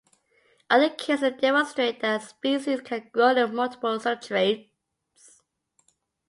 Other cases demonstrate that species can grow in multiple substrates.